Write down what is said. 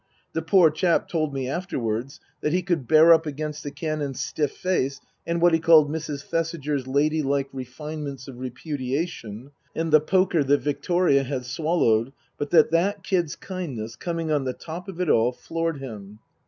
The poor chap told me afterwards that he could bear up against the Canon's stiff face and what he called Mrs. Thesiger's ladylike refine ments of repudiation, and the poker that Victoria had swallowed, but that that kid's kindness, coming on the top of it all, floored him.